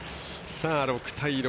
６対６。